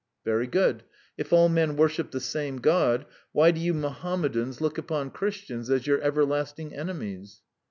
"Very good. If all men worship the same God, why do you Mohammedans look upon Christians as your everlasting enemies?"